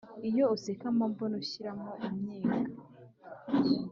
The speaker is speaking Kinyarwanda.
Iyo useka mbambona ushyiramo imyiryo